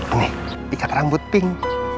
ini ikat rambut pink